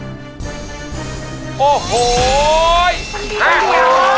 ๕ตัวเยาทย์